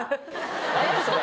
何やそれ！